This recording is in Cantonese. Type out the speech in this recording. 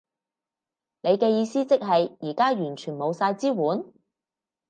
你嘅意思即係而家完全冇晒支援？